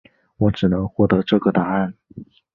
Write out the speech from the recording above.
我只能获得这个答案